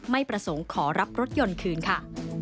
ไม่ประสงค์ขอรับรถยนต์คืนค่ะ